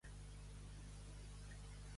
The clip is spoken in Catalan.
A veles plenes.